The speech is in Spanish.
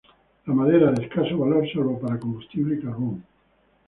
La madera de escaso valor, salvo para combustible y carbón.